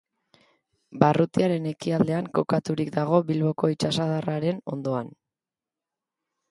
Barrutiaren ekialdean kokaturik dago Bilboko itsasadarraren ondoan.